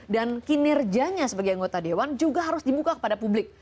dan kinerjanya sebagai anggota dewan juga harus dibuka kepada publik